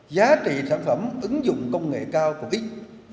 giá trị sản phẩm ứng dụng công nghệ cao còn ít